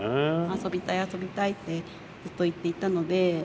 「遊びたい遊びたい」ってずっと言っていたので。